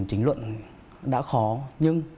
chính luận đã khó nhưng